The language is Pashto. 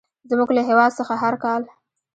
زموږ له هېواد څخه هر کال.